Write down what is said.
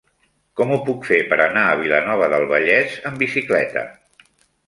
Com ho puc fer per anar a Vilanova del Vallès amb bicicleta?